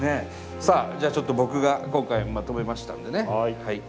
さあじゃあちょっと僕が今回まとめましたんでね。